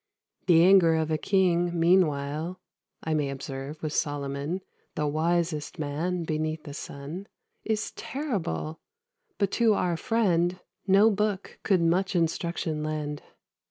The anger of a King, meanwhile (I may observe, with Solomon, The wisest man beneath the sun), Is terrible; but to our friend No book could much instruction lend.